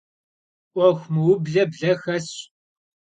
'uexu mıuble ble xesş.